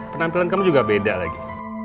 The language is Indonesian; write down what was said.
penampilan kamu juga beda lagi